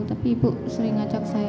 tapi ibu sering ajak saya